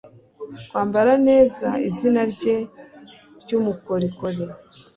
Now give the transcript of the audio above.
kwambara neza izina rye ryumukorikori